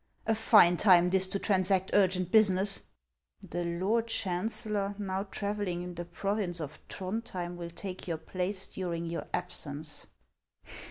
A fine time this to transact urgent business !' The lord chancellor, now travelling in the province of Throndhjein, will take your place during your absence.'